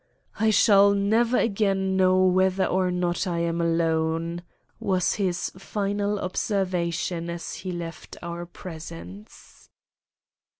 "I shall never again know whether or not I am alone," was his final observation as he left our presence.